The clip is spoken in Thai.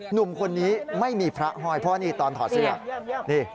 หนุ่มคนนี้ไม่มีพระห้อยเพราะนี่ตอนถอดเสื้อนี่